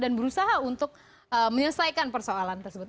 dan berusaha untuk menyelesaikan persoalan tersebut